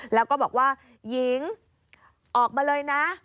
แล้วก็บอกว่าหญิงออกมาเลยนะ